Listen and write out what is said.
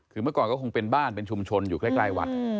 คือเมื่อก่อนก็คงเป็นบ้านเป็นชุมชนอยู่ใกล้วัด